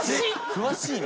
詳しいな。